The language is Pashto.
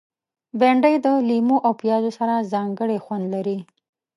بېنډۍ د لیمو او پیاز سره ځانګړی خوند لري